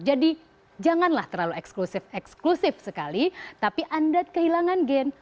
jadi janganlah terlalu eksklusif eksklusif sekali tapi anda kehilangan gain